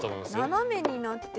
斜めになってる。